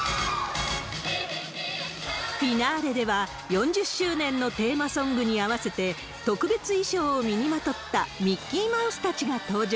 フィナーレでは、４０周年のテーマソングに合わせて、特別衣装を身にまとったミッキーマウスたちが登場。